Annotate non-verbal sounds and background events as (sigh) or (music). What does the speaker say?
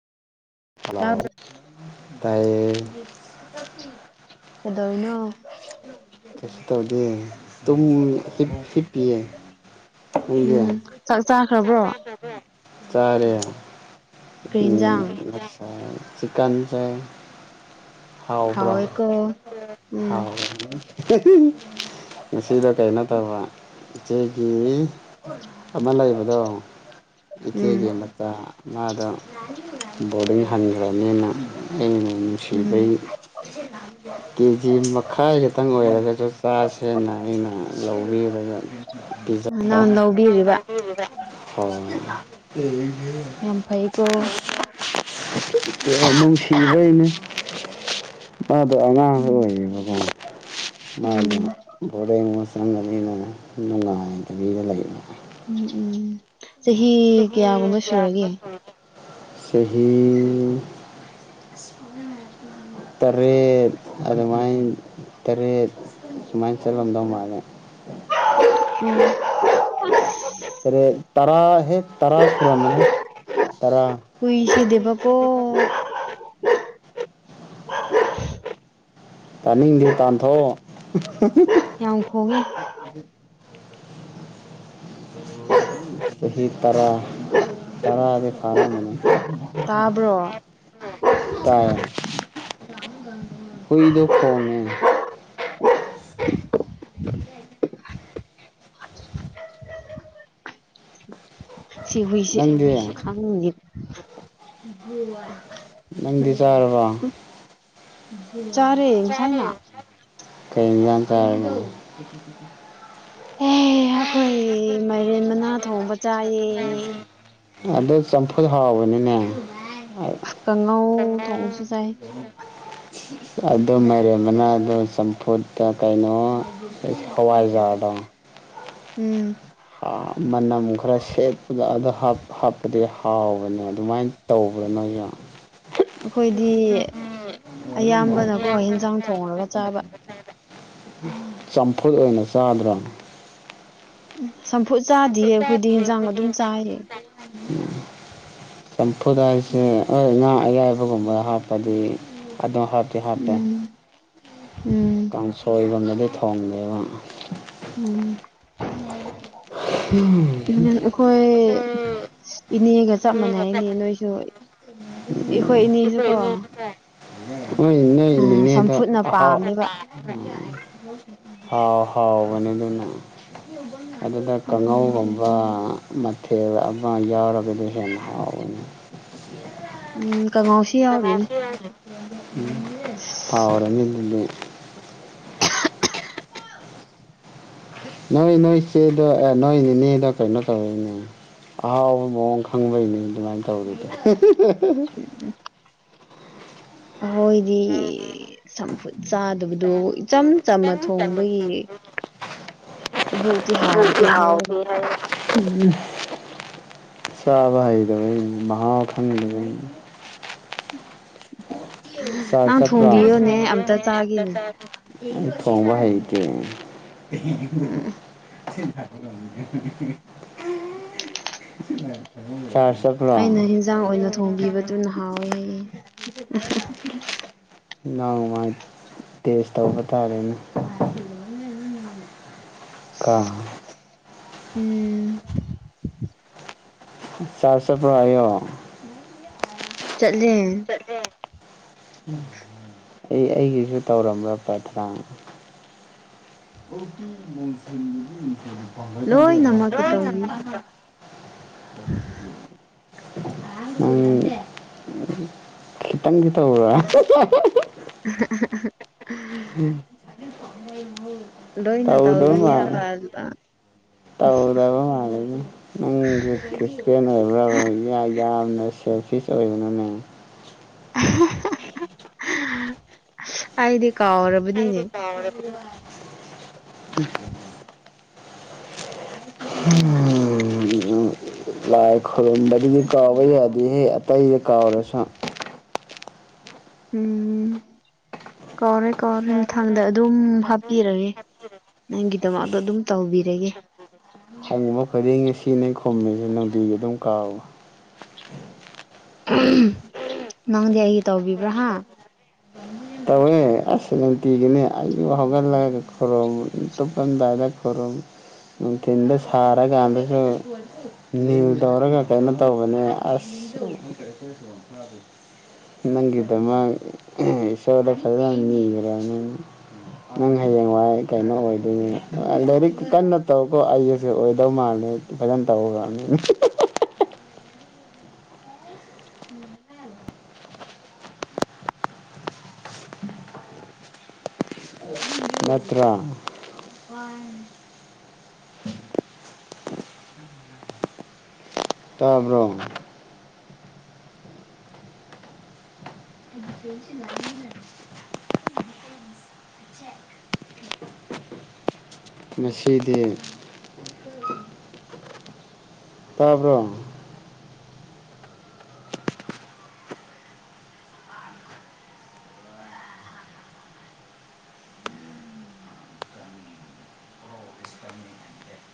ꯍꯂꯥꯎ ꯇꯥꯕ ꯇꯥꯏꯌꯦ ꯀꯩꯗꯧꯔꯤꯅꯣ ꯀꯩꯁꯨ ꯇꯧꯗꯦ ꯇꯨꯝ ꯍꯤꯞꯄꯤꯌꯦ ꯅꯪꯗꯤ ꯎꯝ ꯆꯥꯛ ꯆꯥꯈ꯭ꯔꯕ꯭ꯔꯣ ꯆꯥꯔꯦ ꯀꯔꯤ ꯎꯝ ꯌꯦꯟꯖꯥꯡ ꯆꯤꯛꯀꯟ ꯆꯥꯏ ꯍꯥꯎꯕ꯭ꯔꯣ ꯍꯥꯎꯋꯦꯀꯣ ꯎꯝ ꯃꯁꯤꯗ ꯀꯩꯅꯣ ꯇꯧꯕ ꯏꯆꯦꯒꯤ ꯑꯃ ꯂꯩꯕꯗꯣ ꯎꯝ ꯏꯆꯦꯒꯤ ꯃꯆꯥ ꯉꯥꯗꯣ ꯕꯣꯔꯗꯤꯡ ꯍꯟꯈ꯭ꯔꯅꯤꯅ ꯑꯩ ꯎꯝ ꯅꯨꯡꯁꯤꯕꯩ ꯀꯦꯖꯤ ꯃꯈꯥꯏ ꯈꯛꯇꯪ ꯑꯣꯏꯔꯒꯁꯨ ꯆꯥꯁꯦꯟꯅ ꯑꯩꯅ ꯂꯧꯕꯤꯔꯒ ꯅꯍꯥꯟ ꯂꯧꯕꯤꯔꯤꯕ ꯍꯥ ꯇ‌ꯦ ꯌꯥꯝ ꯐꯩꯀꯣ ꯅꯨꯡꯁꯤꯕꯩꯅ‌ꯦ ꯃꯥꯗꯣ ꯑꯉꯥꯡꯁꯨ ꯎꯝ ꯑꯣꯏꯌꯦꯕꯀꯣ ꯃꯥꯗꯣ ꯎꯝ ꯕꯣꯔꯦꯡ ꯃꯁꯗꯅꯤꯅ ꯅꯨꯡꯉꯥꯏꯗꯕꯤꯗ ꯂꯩꯕ ꯎꯝ ꯎꯝ ꯆꯍꯤ ꯀꯌꯥꯒꯨꯝꯕ ꯁꯨꯔꯒꯦ ꯆꯥꯍꯤ (unintelligible) ꯇꯔꯦꯠ ꯑꯗꯨꯃꯥꯏꯅ ꯇꯔꯦꯠ ꯁꯨꯃꯥꯏꯅ ꯆꯠꯂꯝꯗꯝ ꯃꯥ ꯑꯗ (unintelligible) ꯇꯔ‌ꯣꯠ ꯇꯔꯥ ꯍꯦꯛ ꯇꯔꯥ ꯁꯨꯔꯥꯝꯃꯅꯤ ꯇꯔꯥ ꯍꯨꯏꯁꯤꯗꯕꯀꯣ ꯇꯥꯅꯤꯡꯗꯦ ꯇꯥꯟꯊꯣꯛꯑꯣ ꯌꯥꯝ ꯈꯣꯡꯉ‌ꯦ ꯆꯍꯤ ꯇꯔꯥ (unintelligible) ꯇꯔꯗꯤ ꯐꯔꯃꯅꯤ ꯇꯥꯕ꯭ꯔꯣ ꯇꯥꯏ ꯍꯨꯏꯗ ꯈꯣꯡꯉꯦ (unintelligible) ꯅꯪꯗꯤ ꯈꯪꯅꯤ ꯅꯪꯗꯤ ꯆꯥꯔꯕ ꯎꯝ ꯆꯥꯔꯦ ꯆꯔꯦ ꯉꯁꯥꯏꯅ ꯀꯩꯖꯥꯟ ꯆꯥꯔꯝꯅ‌ꯣ ꯑꯦ ꯑꯩꯈꯣꯏ ꯃꯥꯏꯔꯦꯟ ꯃꯅꯥ ꯊꯣꯡꯕ ꯆꯥꯏꯌꯦ ꯑꯗꯨ ꯆꯝꯐꯨ ꯍꯥꯎꯕꯅꯤꯅꯦ ꯀꯥꯡꯉꯧ ꯊꯣꯡꯁꯨ ꯆꯥꯏ (inaudible) ꯑꯗꯨ ꯃꯥꯏꯔꯦꯝꯕꯅꯗ ꯆꯝꯐꯨꯠꯀ ꯀꯩꯅꯣ ꯍꯋꯥꯏꯖꯥꯔꯗ‌ꯣ ꯎꯝ ꯑ ꯃꯅꯝ ꯈꯔ ꯁꯦꯠꯄꯗ ꯑꯗ ꯍꯥꯞ ꯍꯥꯞꯄꯗꯤ ꯍꯥꯎꯕꯅꯦ ꯑꯗꯨꯃꯥꯏꯅ ꯇꯧꯕ꯭ꯔꯥ ꯅꯣꯏ ꯌꯥꯝ ꯑꯩꯈꯣꯏꯗꯤ ꯑꯌꯥꯝꯕꯅꯀꯣ ꯍꯦꯟꯖꯥꯡ ꯊꯣꯡꯉꯒ ꯆꯥꯕ (unintelligible) ꯆꯝꯐꯨꯠ ꯑꯣꯏꯅ ꯆꯥꯗ꯭ꯔꯣ ꯎꯝ ꯆꯝꯐꯨꯠ ꯆꯥꯗꯤꯌꯦ ꯑꯈꯣꯏꯗꯤ ꯍꯦꯟꯖꯥꯡ ꯑꯗꯨꯝ ꯆꯥꯏꯌꯦ (unintelligible) ꯆꯝꯐꯨꯠ ꯍꯥꯏꯁꯦ ꯑꯧ ꯉꯥ ꯑꯌꯥꯏꯕꯒꯨꯝꯕ ꯍꯥꯞꯄꯗꯤ ꯑꯗꯣ ꯍꯥꯞ ꯗꯤ ꯍꯥꯞꯄꯦ ꯎꯝ ꯎꯝ ꯀꯥꯡꯁꯣꯏꯒꯨꯝꯕꯗꯤ ꯊꯣꯡꯕꯅꯦꯕ ꯎꯝ ꯎꯝ ꯍꯣꯏ ꯏꯅꯦꯒ ꯆꯞ ꯃꯥꯟꯅꯩꯅꯦꯌꯦ ꯅꯣꯏꯁꯨ ꯑꯩꯈꯣꯏ ꯏꯅꯦꯁꯨꯀꯣ (unintelligible) ꯎꯝ ꯅꯣꯏ ꯎꯝ ꯅꯤꯅꯦꯗꯣ ꯆꯝꯐꯨꯠꯅ ꯑꯍꯥꯎ ꯎꯝ ꯄꯥꯝꯃꯦꯕ ꯍꯥꯎ ꯍꯥꯎꯕꯅꯥꯦ ꯑꯗꯨꯝ ꯑꯗꯨꯒ ꯎꯝ ꯀꯥꯡꯍꯧꯒꯨꯝꯕ ꯃꯊꯦꯜ ꯑꯃ ꯌꯥꯎꯔꯒꯗꯤ ꯍꯦꯟꯅ ꯍꯥꯎꯕꯅꯤ ꯎꯝ ꯀꯥꯡꯉꯧꯁꯤ ꯌꯥꯎꯔꯤꯅꯦ ꯎꯝ ꯍꯥꯎꯔꯅꯤ ꯑꯗꯨꯗꯤ (unintelligible) ꯅꯣꯏ ꯅꯣꯏ ꯆꯦꯗꯣ ꯑꯦ ꯅꯣꯏ ꯅꯤꯅꯦꯗ ꯀꯩꯅꯣ ꯇꯧꯎꯅꯦ ꯑꯍꯥꯎꯕ ꯃꯑꯣꯡ ꯈꯪꯕꯩꯅꯦ ꯑꯗꯨꯃꯥꯏꯅ ꯇꯧꯔꯤꯗꯤ (unintelligible) ꯑꯍꯣꯏꯗꯤ ꯆꯝꯐꯨꯠ ꯆꯥꯗꯕꯗꯣ ꯏꯆꯝ ꯆꯝꯅ ꯊꯣꯡꯕꯒꯤ ꯏꯕꯣꯛꯇꯤ ꯑꯗꯨꯗꯤ ꯍꯥꯎꯇꯦ ꯍꯥꯎꯇꯦ ꯍꯥꯏꯌꯦꯕ ꯍꯥꯏꯌꯦ ꯆꯥꯕ ꯍꯩꯗꯕꯩꯅꯤ ꯃꯍꯥꯎ ꯈꯪꯗꯕꯩꯅꯤ (unintelligible) ꯅꯪ ꯑꯩ ꯊꯣꯡꯕꯤꯌꯣꯅꯦ ꯑꯝꯇ ꯆꯥꯒꯦꯅꯦ ꯊꯣꯡꯕ ꯍꯩꯇꯦ ꯎꯝ (unintelligible) ꯑꯩꯅ ꯍꯤꯟꯖꯥꯡ ꯑꯣꯏꯅ ꯊꯣꯡꯕꯤꯕꯗꯨꯅ ꯍꯥꯎꯌꯦ ꯍꯥꯏꯌꯦ ꯅꯣꯡꯃꯥꯏ ꯇꯦꯖ ꯇꯧꯕ ꯇꯥꯔꯦꯅꯦ ꯀ ꯎꯝ ꯆ꯭ꯔ ꯆꯠꯄ꯭ꯔ ꯍꯥꯏꯌꯣ ꯆꯠꯂꯦ ꯆꯠꯂꯦ ꯑꯩ ꯑꯩꯒꯤꯁꯨ ꯇꯧꯔꯝꯕ꯭ꯔ ꯄ꯭ꯔꯊꯥꯅ ꯂꯣꯏꯅꯃꯛꯀꯤ ꯇꯧꯕꯤ (unintelligible) (unintelligible) ꯈꯩꯇꯪꯗꯤ ꯇꯧꯕ꯭ꯔꯥ (unintelligible) (unintelligible) ꯂꯣꯏꯅ ꯇꯧꯗꯕ ꯇꯧꯕꯤꯌꯦ ꯃꯥꯜꯂꯦ ꯍꯥꯏꯕ ꯑ ꯇꯧꯗꯕ ꯃꯥꯜꯂꯤꯗ ꯅꯪꯒꯤ ꯈ꯭ꯔꯤꯁꯇꯦꯟ ꯑꯣꯏꯕ꯭ꯔꯥꯕ ꯌꯥ ꯌꯥꯝꯅ ꯁꯦꯜꯐꯤꯁ ꯑꯣꯏꯒꯅꯨꯅꯦ (unintelligible) (unintelligible) ꯑꯩꯗꯤ ꯀꯥꯎꯔꯕꯅꯤꯅꯦ ꯀꯥꯎꯔꯕ (unintelligible) ꯍꯨꯝ ꯂꯥꯏ ꯈꯣꯔꯨꯝꯕꯗꯨꯗꯤ ꯀꯥꯎꯕ ꯌꯥꯗꯦꯍꯦ ꯑꯇꯩꯗ ꯀꯥꯎꯔꯁꯨ ꯎꯝ ꯀꯥꯎꯔꯣꯏ ꯀꯥꯎꯔꯣꯏ ꯃꯊꯪꯗ ꯑꯗꯨꯝ ꯍꯥꯞꯄꯤꯔꯒꯦ ꯅꯪꯒꯤ ꯗꯃꯛꯗꯣ ꯑꯗꯨꯝ ꯇꯧꯕꯤꯔꯒꯦ ꯍꯕ ꯐꯗꯤꯡ ꯁꯤꯅꯦ ꯈꯣꯃꯤꯁꯦ ꯅꯨꯡꯗꯤꯒꯤ ꯑꯗꯨꯝ ꯀꯥꯎꯋ ꯅꯪꯗꯤ ꯑꯩꯒꯤ ꯇꯧꯕꯤꯕ꯭ꯔꯥꯥ ꯍꯥ ꯇꯧꯋꯦ ꯑꯁ ꯅꯨꯡꯇꯤꯒꯤꯅꯤ ꯑꯩꯒꯤ ꯍꯧꯒꯠꯂꯒ ꯈꯣꯏꯔꯨꯝꯕ ꯇꯣꯞꯄꯜꯗꯥꯏꯗ ꯈꯣꯏꯔꯝ ꯅꯨꯡꯇꯊꯤꯟꯗ ꯁꯔꯥ ꯀꯥꯟꯗꯁꯨ ꯅꯤꯜ ꯇꯧꯔꯒ ꯀꯩꯅꯣ ꯇꯧꯕꯅꯦ ꯑꯁ (unintelligible) ꯅꯪꯒꯤꯗꯃꯛ ꯏꯁꯣꯔꯗ ꯐꯖꯅ ꯅꯤꯒꯔ꯭ꯝꯅꯤ ꯅꯪ ꯍꯌꯦꯡ ꯋꯥꯏ ꯀꯩꯅꯣ ꯑꯣꯏꯗꯣꯏꯅꯤ ꯂꯥꯏꯔꯤꯛ ꯀꯟꯅ ꯇꯧꯀꯣ ꯑꯩꯒꯁꯨ ꯑꯣꯏꯗꯧ ꯃꯥꯜꯂꯦ ꯐꯖꯟ ꯇꯧꯒꯔꯝꯅꯦ ꯅꯠꯇ꯭ꯔ ꯃꯅꯤ ꯇꯥꯕ꯭ꯔꯣ (unintelligible) ꯉꯁꯤꯗꯤ ꯇꯥꯕ꯭ꯔꯣ